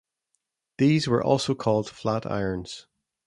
These were also called flat irons.